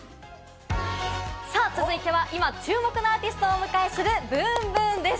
さあ、続いては今、注目のアーティストをお迎えするｂｏｏｍｂｏｏｍです。